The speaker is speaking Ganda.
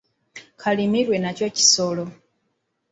Kalimirwa nakyo kisolo.